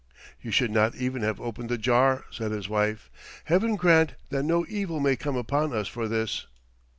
"You should not even have opened the jar," said his wife. "Heaven grant that no evil may come upon us for this."